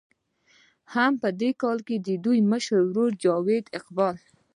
هم دې کال کښې د دوي مشر ورور جاويد اقبال